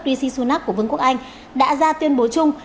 rishi sunak của vương quốc anh đã ra tuyên bố chung